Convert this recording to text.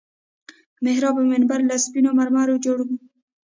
محراب او منبر له سپينو مرمرو جوړ وو.